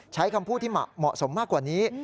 ใช้คำพูดที่เหมาะสมมากกว่านี้